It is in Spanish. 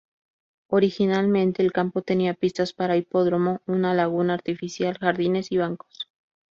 Originalmente, el campo tenía pistas para hipódromo, una laguna artificial, jardines y bancos.